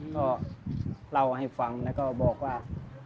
ก็เล่าให้ฟังแล้วก็บอกว่า